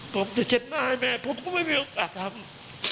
ผมจะเช็ดหน้าให้แม่ผมก็ไม่มีโอกาสทำ